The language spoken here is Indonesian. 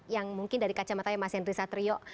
yang mungkin dari kacamata ya mas hendry satrio